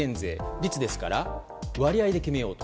率ですから、割合で決めようと。